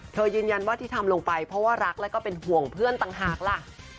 ยืนยันว่าที่ทำลงไปเพราะว่ารักแล้วก็เป็นห่วงเพื่อนต่างหากล่ะ